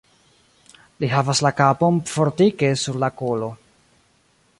Li havas la kapon fortike sur la kolo.